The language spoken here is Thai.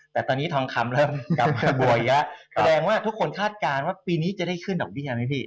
แต่ตอนนี้ทองคำเริ่มกลับมาบัวเยอะแสดงว่าทุกคนคาดการณ์ว่าปีนี้จะได้ขึ้นดอกเบี้ยไหมพี่